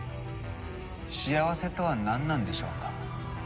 幸せとはなんなんでしょうか？